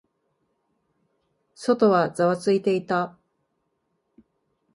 外はざわついていた。